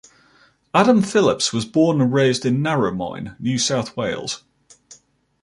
Adam Phillips was born and raised in Narromine, New South Wales.